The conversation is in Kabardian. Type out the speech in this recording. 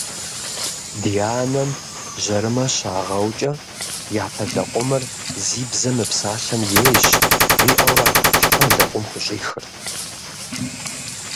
Ди анэм жьэрымэ щагъэукӏэ, «япэ лэкъумыр зи бзэ мыпсалъэм ейщ» жиӏэурэ хьэм лэкъум хущӏихырт.